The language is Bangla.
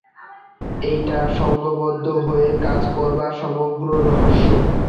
এটাই সঙ্ঘবদ্ধ হয়ে কাজ করবার সমগ্র রহস্য।